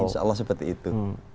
insya allah seperti itu